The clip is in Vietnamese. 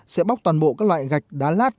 sẽ bóc toàn bộ các loại gạch đá lát